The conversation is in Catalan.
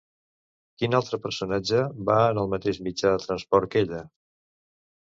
Quin altre personatge va en el mateix mitjà de transport que ella?